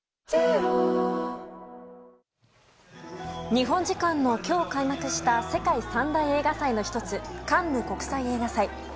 日本時間の今日開幕した世界三大映画祭の１つカンヌ国際映画祭。